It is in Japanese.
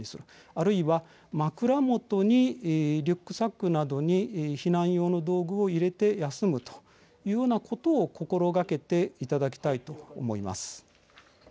あるいは枕元にリュックサックなどに避難用の道具を入れて休むというようなことを心がけていただきたいと思います。